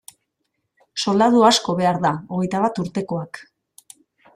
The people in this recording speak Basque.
Soldadu asko behar da, hogeita bat urtekoak.